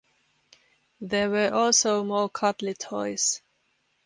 There were also more cuddly toys.